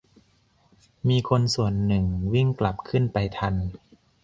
มีคนส่วนหนึ่งวิ่งกลับขึ้นไปทัน